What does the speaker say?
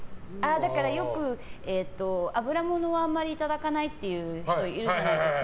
だから、よく油ものはあまりいただかないっていう人いるじゃないですか。